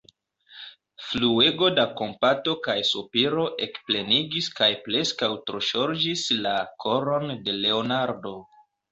Fluego da kompato kaj sopiro ekplenigis kaj preskaŭ troŝarĝis la koron de Leonardo.